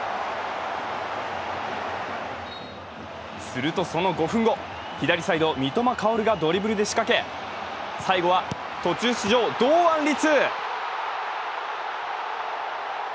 すると、その５分後左サイド三笘薫がドリブルで仕掛け最後は途中出場、堂安律。